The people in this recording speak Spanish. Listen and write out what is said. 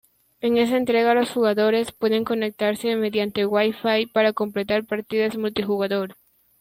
En esta entrega los jugadores pueden conectarse mediante WiFi para completar partidas multijugador.